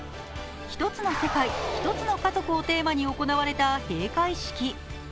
「１つの世界、１つの家族」をテーマに行われた閉会式。